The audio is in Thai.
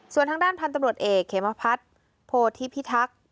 ส่วนทางด้านพันธุ์ตำรวจเอกเขมพัฒน์โพธิพิทักษ์